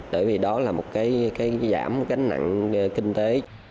bởi vì đó là một cái giảm gánh nặng kinh tế